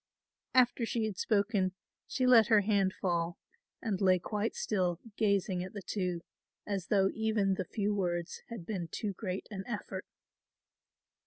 After she had spoken she let her hand fall and lay quite still gazing at the two as though even the few words had been too great an effort.